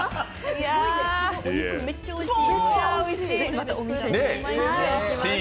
お肉めっちゃおいしい。